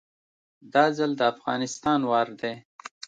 دا ځل د افغانستان وار دی